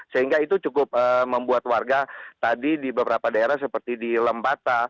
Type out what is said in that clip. sehingga itu cukup membuat warga tadi di beberapa daerah seperti di lembata